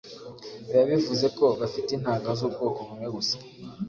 biba bivuze ko bafite intanga z’ubwoko bumwe gusa